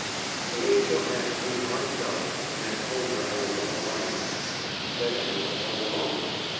The angel asked me how I felt, and I told her I was all right, but she said I was all wrong.